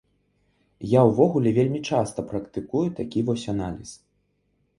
Я ўвогуле вельмі часта практыкую такі вось аналіз.